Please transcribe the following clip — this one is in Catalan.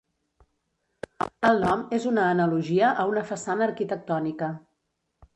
El nom és una analogia a una façana arquitectònica.